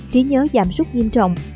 trí nhớ giảm súc nghiêm trọng